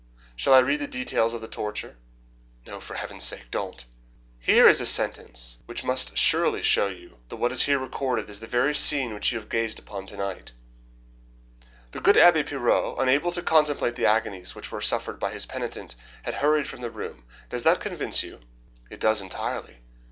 "' Shall I read the details of the torture?" "No, for Heaven's sake, don't." "Here is a sentence which must surely show you that what is here recorded is the very scene which you have gazed upon tonight: 'The good Abbe Pirot, unable to contemplate the agonies which were suffered by his penitent, had hurried from the room.' Does that convince you?" "It does entirely.